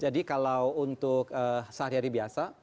jadi kalau untuk sehari hari biasa